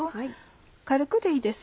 軽くでいいです